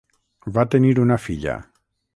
Va tenir una filla.